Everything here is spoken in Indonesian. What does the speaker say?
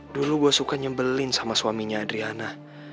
dulu gue suka nyebelin sama suaminya adriana